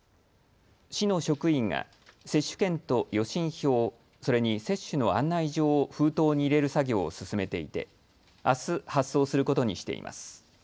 市の職員が接種券と予診票、それに接種の案内状を封筒に入れる作業を進めていてあす発送することにしています。